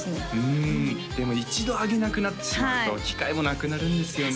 うんでも一度あげなくなってしまうと機会もなくなるんですよね